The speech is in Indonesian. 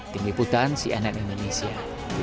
tim liputan cnn indonesia